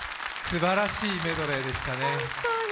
すばらしいメドレーでしたね。